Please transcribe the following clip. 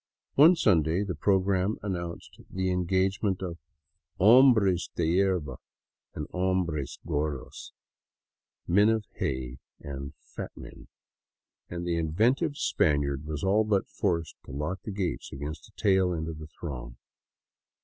One Sunday the program announced the engagement of " Hombres de 155 VAGABONDING DOWN THE ANDES Verba ^' and " Hombres Gordos "(" Men of Hay " and " Fat Men "), and the inventive Spaniard was all but forced to lock the gates against the tailend of the throng.